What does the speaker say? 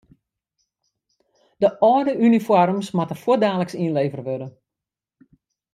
De âlde unifoarms moatte fuortdaliks ynlevere wurde.